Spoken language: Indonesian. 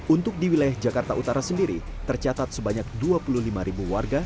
untuk di wilayah jakarta utara sendiri tercatat sebanyak dua puluh lima ribu warga